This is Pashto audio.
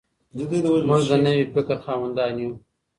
موږ د نوي فکر خاوندان یو.